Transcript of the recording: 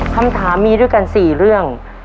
คำถามมีด้วยกัน๔เรื่อง